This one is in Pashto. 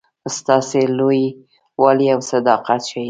ستاسي لوی والی او صداقت ښيي.